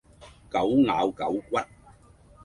狗咬狗骨